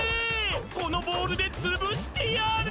このボールでつぶしてやる！